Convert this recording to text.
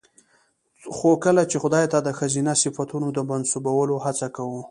خو کله چې خداى ته د ښځينه صفتونو د منسوبولو هڅه کوو